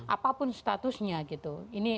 apapun statusnya gitu